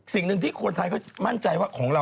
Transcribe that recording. สิ่งหนึ่งที่คนไทยมั่นใจว่า